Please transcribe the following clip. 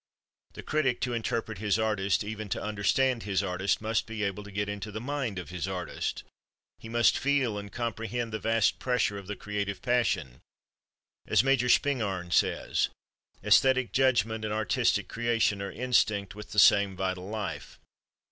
The critic, to interpret his artist, even to understand his artist, must be able to get into the mind of his artist; he must feel and comprehend the vast pressure of the creative passion; as Major Spingarn says, "æsthetic judgment and artistic creation are instinct with the same vital life."